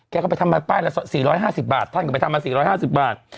เข้าไปทำมาป้ายละ๔๕๐บาทท่านก็ไปทำมา๔๕๐บาท